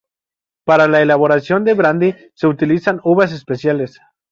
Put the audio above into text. Para la elaboración de brandy se utilizan uvas especiales.